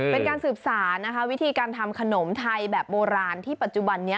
เป็นการสืบสารนะคะวิธีการทำขนมไทยแบบโบราณที่ปัจจุบันนี้